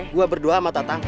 gue berdua sama tatang